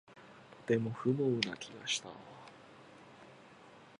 とても不毛な気がした